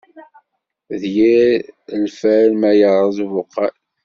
D yir lfal, ma yerreẓ ubuqal.